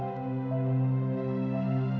kakang mencintai dia kakang